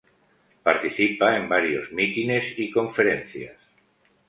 Participa en varios mítines y conferencias.